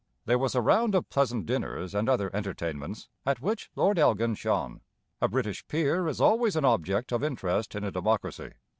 There was a round of pleasant dinners and other entertainments, at which Lord Elgin shone. A British peer is always an object of interest in a democracy.